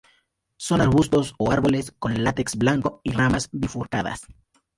Son arbustos o árboles con látex blanco y ramas bifurcadas.